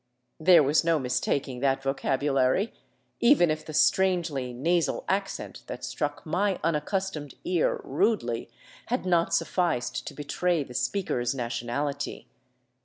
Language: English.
There was no mistaking that vocabulary, even if the strangely nasal accent that struck my unaccustomed ear rudely had not sufficed to be tray the speaker's nationality.